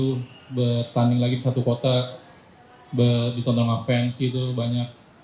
kita tanjung lagi di satu kotak ditonton avansi itu banyak